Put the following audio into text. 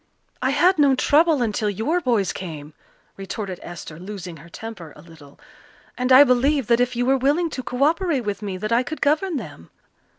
"I had no trouble until your boys came," retorted Esther, losing her temper a little, "and I believe that if you were willing to co operate with me that I could govern them."